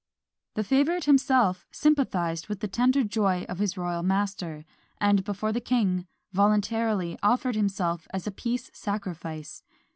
The favourite himself sympathised with the tender joy of his royal master; and, before the king, voluntarily offered himself as a peace sacrifice.